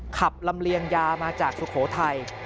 ขับลำเลียงยามาจากสุโขทัย